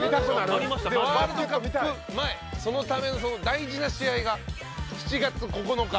ワールドカップ前そのための大事な試合が７月９日。